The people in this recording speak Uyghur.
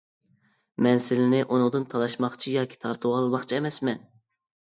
مەن سىلىنى ئۇنىڭدىن تالاشماقچى ياكى تارتىۋالماقچى ئەمەسمەن.